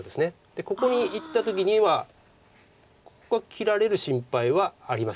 でここにいった時にはここが切られる心配はありません。